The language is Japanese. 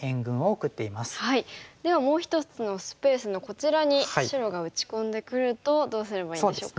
ではもう一つのスペースのこちらに白が打ち込んでくるとどうすればいいでしょうか。